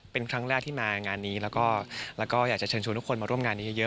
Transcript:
เป็นครั้งแรกที่มางานนี้แล้วก็อยากจะเชิญชวนทุกคนมาร่วมงานนี้เยอะ